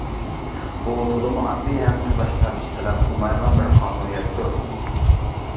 بۇ تولىمۇ ئاددىي ھەم تالاش تارتىش تەلەپ قىلمايدىغان بىر قانۇنىيەتتۇر.